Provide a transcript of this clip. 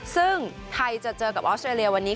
ซึ่งไทยจะเจอกับออสเตรเลียวันนี้